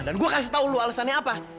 dan gue kasih tau lo alasannya apa